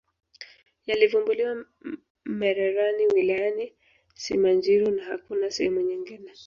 yalivumbuliwa mererani wilayani simanjiro na hakuna sehemu nyingine